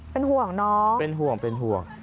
เป็นห่วงน้องเป็นห่วง